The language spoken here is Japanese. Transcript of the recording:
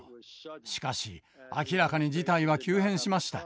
しかし明らかに事態は急変しました。